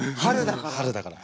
春だから。